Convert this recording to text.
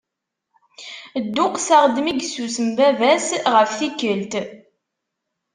Dduqseɣ-d mi yessusem baba-s ɣef tikkelt.